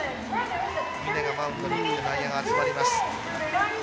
峰がマウンドに行って内野が集まります。